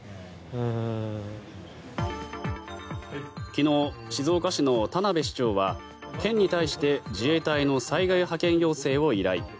昨日、静岡市の田辺市長は県に対して自衛隊の災害派遣要請を依頼。